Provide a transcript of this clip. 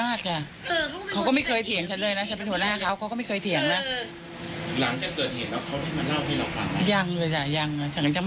ทั้งสองคนเนี่ยมีวิสัยยังไงครับผม